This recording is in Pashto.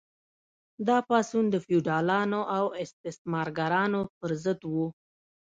دا پاڅون د فیوډالانو او استثمارګرانو پر ضد و.